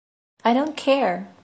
I don't care!